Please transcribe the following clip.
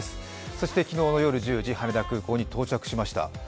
そして昨日の夜１０時、羽田空港に到着しました。